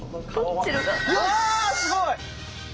うわすごい！